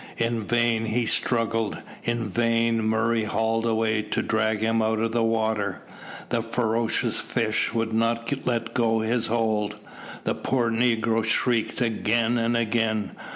In vain he struggled; in vain Murray hauled away to drag him out of the water; the ferocious fish would not let go his hold; the poor negro shrieked again and again.